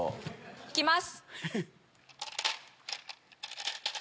行きます。